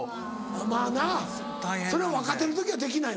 まぁなそれ若手の時はできないもんな。